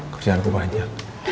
kerjaan aku banyak